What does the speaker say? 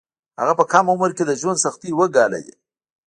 هغه په کم عمر کې د ژوند سختۍ وګاللې